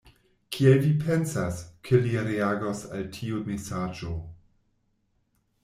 Kiel vi pensas, ke li reagos al tiu mesaĝo?